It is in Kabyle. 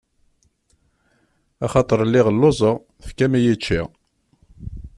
Axaṭer lliɣ lluẓeɣ, tefkam-iyi ččiɣ.